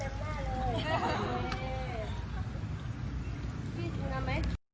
สวัสดีครับสวัสดีครับ